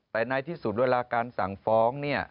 แต่ในที่สุดเวลาการสั่งฟ้องเนี่ย